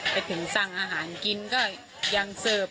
ไปถึงสั่งอาหารกินก็ยังเสิร์ฟ